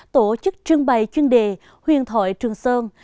tổ chức trưng bày chuyên đề huyền thội trường sơn